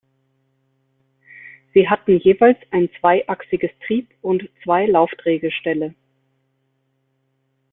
Sie hatten jeweils ein zweiachsiges Trieb- und zwei Laufdrehgestelle.